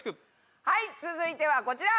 続いてはこちら！